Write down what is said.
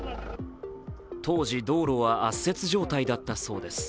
当時道路は圧雪状態だったそうです。